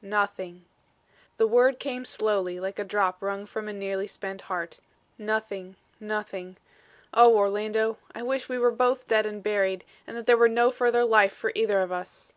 "Nothing." The word came slowly like a drop wrung from a nearly spent heart. "Nothing; nothing. Oh, Orlando, I wish we were both dead and buried and that there were no further life for either of us."